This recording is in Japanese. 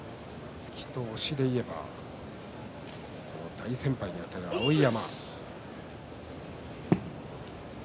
突きと押しでいえば大先輩にあたる碧山。